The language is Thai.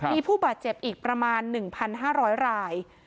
มีผู้บาดเจ็บอีกประมาณ๑๕๐๐ราย